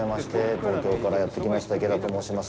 東京からやってきました、池田と申します。